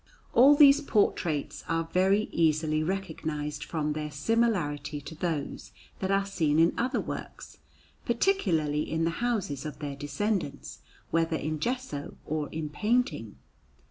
All these portraits are very easily recognized from their similarity to those that are seen in other works, particularly in the houses of their descendants, whether in gesso or in painting.